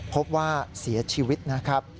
พบว่าเสียชีวิตนะครับ